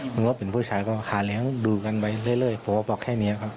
มันก็เป็นผู้ชายก็คาเล้งดูกันไปเรื่อยผัวบอกแค่นี้ครับ